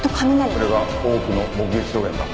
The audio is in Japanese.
それが多くの目撃証言だ。